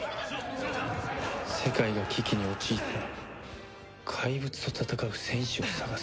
「世界が危機に陥ったら怪物と戦う戦士を探せ」